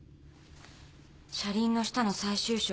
「車輪の下」の最終章。